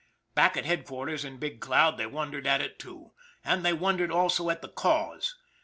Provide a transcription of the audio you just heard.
Back at headquarters in Big Cloud they wondered at it, too and they wondered also at the cause.